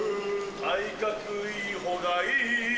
体格いいほうがいい。